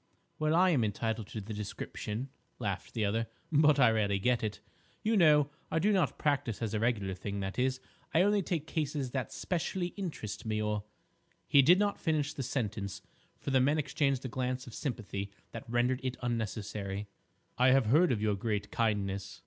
"Well, I am entitled to the description," laughed the other, "but I rarely get it. You know, I do not practise as a regular thing; that is, I only take cases that specially interest me, or—" He did not finish the sentence, for the men exchanged a glance of sympathy that rendered it unnecessary. "I have heard of your great kindness."